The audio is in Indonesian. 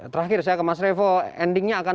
terakhir saya ke mas revo endingnya akan